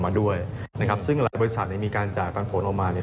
ออกมาด้วยนะครับซึ่งลายบริษัทเนี่ยมีการออกมาเนี่ย